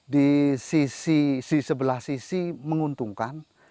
di sisi sebelah sisi menguntungkan